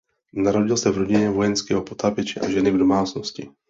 Narodil se v rodině vojenského potápěče a ženy v domácnosti.